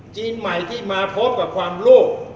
จีนใหม่ที่มาพบกับความลูก